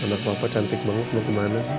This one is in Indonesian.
anak anak papa cantik banget mau ke mana sih